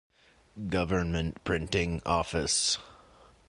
Government Printing Office.